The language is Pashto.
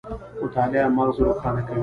مطالعه مغز روښانه کوي